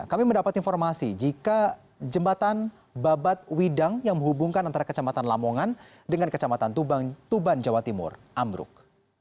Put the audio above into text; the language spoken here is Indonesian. kami mendapat informasi jika jembatan babat widang yang menghubungkan antara kecamatan lamongan dengan kecamatan tuban jawa timur ambruk